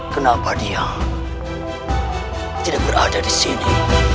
kenapa dia tidak berada di sini